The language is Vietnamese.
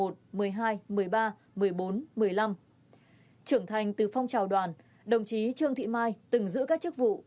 trưởng thành từ phong trào đoàn đồng chí trương thị mai từng giữ các chức vụ